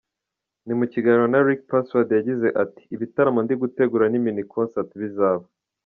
Mu kiganiro na Rick Password yagize ati, Ibitaramo ndigutegura ni Mini concert bizaba.